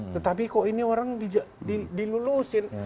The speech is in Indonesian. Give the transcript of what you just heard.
tetapi kok ini orang dilulusin